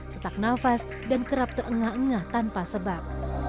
sesak nafas dan kerap terengah engah tanpa sebab